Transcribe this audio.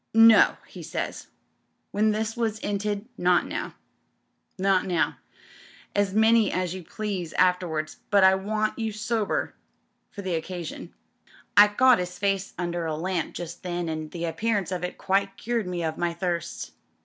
'No,' he says, when this was 'inted — ^'not now. Not now. As many as you please afterwards, but I want you sober for the oc 828 TRAFFICS AND DISCOVERIES casion/ I caught 'is fade under a lamp just then, an' the appearance of it quite cured me of my thirsts.